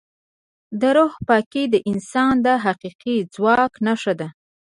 د روح پاکي د انسان د حقیقي ځواک نښه ده.